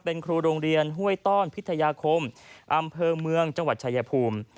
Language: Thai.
เป็นครูโรงเรียนห้วยต้อนพิทยาคมอำเภอเมืองจังหวัดชายภูมิ